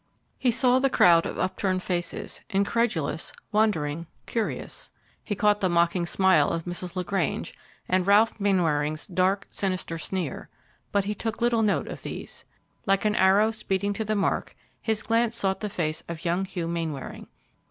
He saw the crowd of upturned faces incredulous, wondering, curious; he caught the mocking smile of Mrs. LaGrange and Ralph Mainwaring's dark, sinister sneer; but he took little note of these. Like an arrow speeding to the mark, his glance sought the face of young Hugh Mainwaring.